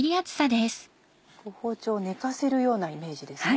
包丁を寝かせるようなイメージですね。